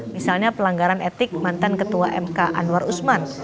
misalnya pelanggaran etik mantan ketua mk anwar usman